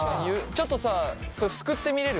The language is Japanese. ちょっとさそれすくってみれる？